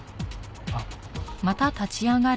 あっ。